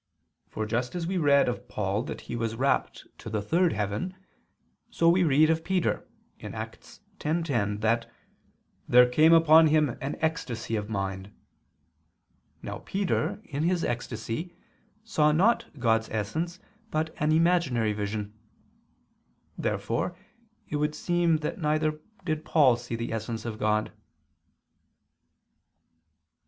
For just as we read of Paul that he was rapt to the third heaven, so we read of Peter (Acts 10:10) that "there came upon him an ecstasy of mind." Now Peter, in his ecstasy, saw not God's essence but an imaginary vision. Therefore it would seem that neither did Paul see the essence of God. Obj.